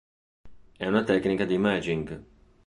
È una tecnica di imaging.